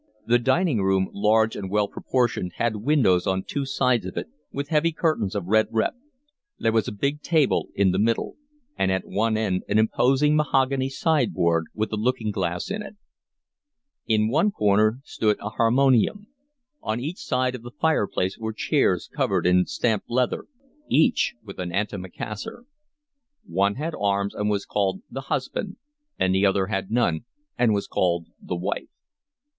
The dining room, large and well proportioned, had windows on two sides of it, with heavy curtains of red rep; there was a big table in the middle; and at one end an imposing mahogany sideboard with a looking glass in it. In one corner stood a harmonium. On each side of the fireplace were chairs covered in stamped leather, each with an antimacassar; one had arms and was called the husband, and the other had none and was called the wife.